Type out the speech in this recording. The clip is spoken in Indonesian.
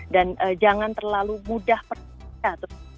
dan jangan terlalu mudah percaya